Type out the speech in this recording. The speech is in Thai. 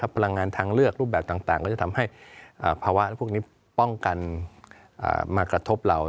พลังงานทางเลือกรูปแบบต่างก็จะทำให้ภาวะพวกนี้ป้องกันมากระทบเรา